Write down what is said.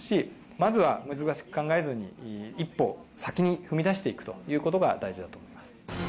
まずは難しく考えずに、一歩先に踏み出していくということが大事だと思います。